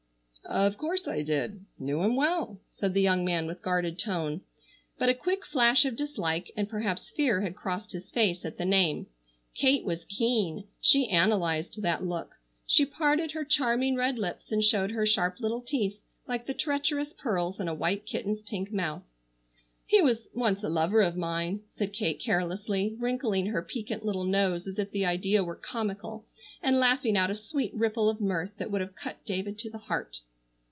"Of course I did, knew him well," said the young man with guarded tone. But a quick flash of dislike, and perhaps fear had crossed his face at the name. Kate was keen. She analyzed that look. She parted her charming red lips and showed her sharp little teeth like the treacherous pearls in a white kitten's pink mouth. "He was once a lover of mine," said Kate carelessly, wrinkling her piquant little nose as if the idea were comical, and laughing out a sweet ripple of mirth that would have cut David to the heart.